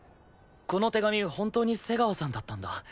この手紙本当に瀬川さんだったんだ？